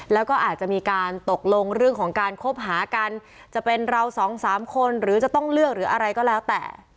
แล้วก็อาจจะมีการตกลงเรื่องของการคบหากันจะเป็นเราสองสามคนหรือจะต้องเลือกหรืออะไรก็แล้วแต่